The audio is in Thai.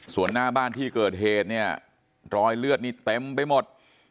ส่วนหน้าบ้านที่เกิดเหตุเนี่ยรอยเลือดนี่เต็มไปหมด